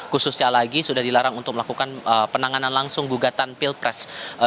khususnya lagi sudah dilarang untuk melakukan penanganan langsung gugatan pilpres dua ribu dua puluh empat